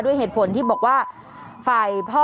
ด้วยเหตุผลที่บอกว่าฝ่ายพ่อ